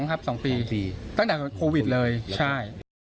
ครับ๒ปีตั้งแต่โควิดเลยใช่